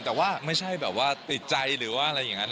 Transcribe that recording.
แต่ว่าไม่ใช่แบบว่าติดใจหรือว่าอะไรอย่างนั้น